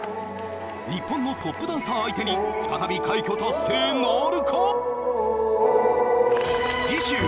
日本のトップダンサー相手に再び快挙達成なるか！？